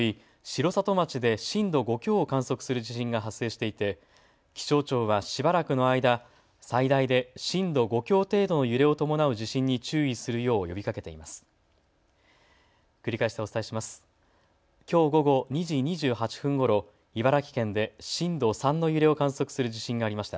城里町で震度５強を観測する地震が発生していて気象庁はしばらくの間、最大で震度５強程度の揺れを伴う地震に注意するよう呼びかけています。